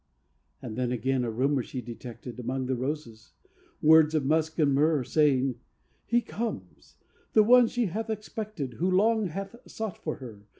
And then again a rumor she detected Among the roses, words of musk and myrrh, Saying, "He comes! the one she hath expected, Who long hath sought for her.